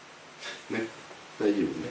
大丈夫ね。